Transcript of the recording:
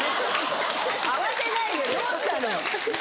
慌てないでどうしたの？